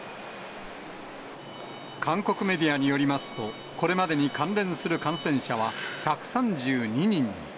韓国メディアによりますと、これまでに関連する感染者は１３２人に。